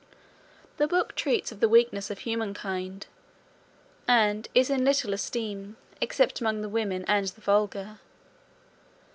The book treats of the weakness of humankind, and is in little esteem, except among the women and the vulgar.